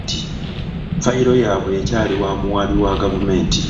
Fayiro yaabwe ekyali wa muwaabi wa gavumenti.